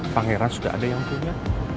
pangeran sudah ada yang punya